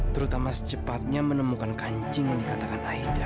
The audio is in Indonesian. terutama secepatnya menemukan kancing yang dikatakan aida